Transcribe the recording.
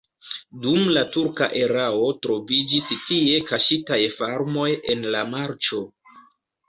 Dum la turka erao troviĝis tie kaŝitaj farmoj en la marĉo.